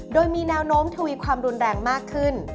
โดยมีแนวโน้มทวีความรุนแรงมากขึ้น